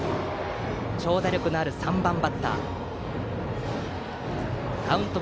長打力のある３番バッター。